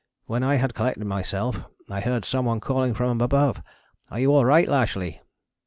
When I had collected myself I heard some one calling from above, 'Are you all right, Lashly?'